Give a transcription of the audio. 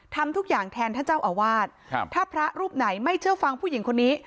ทำทุกอย่างแทนท่านเจ้าอาวาสถ้าพระรูปไหนไม่เชื่อฟังผู้หญิงคนนี้